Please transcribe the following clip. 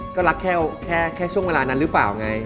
ก็รักแค่ช่วงเวลานั้นหรือเปล่าไง